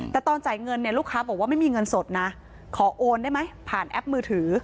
แต่ตอนจ่ายเงินเนี่ยลูกค้าบอกว่าไม่มีเงินสดนะขอโอนได้ไหมผ่านแอปมือถือ